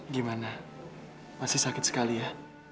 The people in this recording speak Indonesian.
gimana masih sakit sekali ya